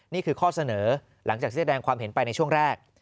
นี่คือข้อเสนอหลังจากที่แสดงความเห็นไปในช่วงแรก